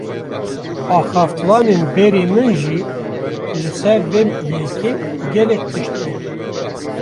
Axaftvanên berî min jî li ser vê yekê, gelek tişt gotin